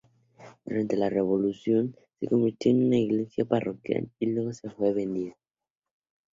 Durante la Revolución, se convirtió en una iglesia parroquial y luego fue vendida.